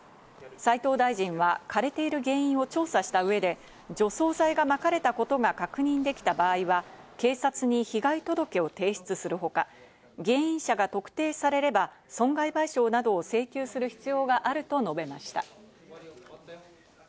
斉藤大臣は枯れている原因を調査した上で、除草剤がまかれたことが確認できた場合は、警察に被害届を提出する他、原因者が特定されれば損害賠償などを請求する必要があると述べました。